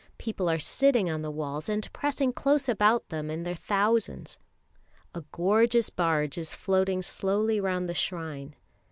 People are sitting on the walls and pressing close about them in their thousands. A gorgeous barge is floating slowly round the shrine.